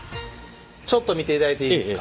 ちょっと見ていただいていいですか？